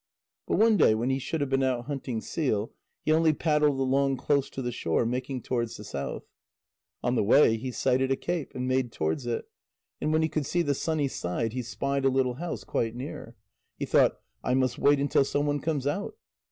But one day when he should have been out hunting seal, he only paddled along close to the shore, making towards the south. On the way he sighted a cape, and made towards it; and when he could see the sunny side, he spied a little house, quite near. He thought: "I must wait until some one comes out."